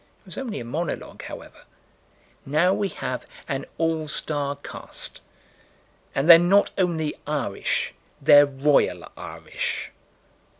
It was only a monologue, however: now we have an all star cast: and they're not only Irish; they're royal Irish.